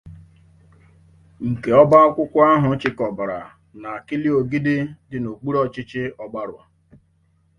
nke ọba akwụkwọ ahụ chịkọbara n'Akịlị-Ogidi dị n'okpuru ọchịchị Ọgbaru.